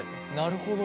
なるほど。